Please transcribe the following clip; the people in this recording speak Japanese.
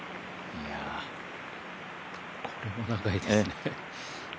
これも長いですね。